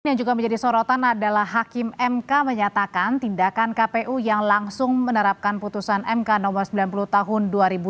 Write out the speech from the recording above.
yang juga menjadi sorotan adalah hakim mk menyatakan tindakan kpu yang langsung menerapkan putusan mk no sembilan puluh tahun dua ribu dua puluh